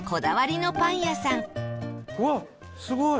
うわっすごい！